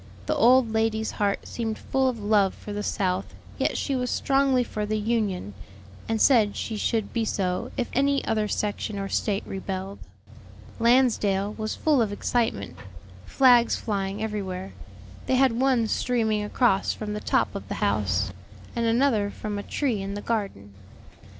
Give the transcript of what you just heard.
The old lady's heart seemed full of love for the South, yet she was strongly for the Union, and said she should be so if any other section or State rebelled. Lansdale was full of excitement, flags flying everywhere; they had one streaming across from the top of the house, and another from a tree in the garden.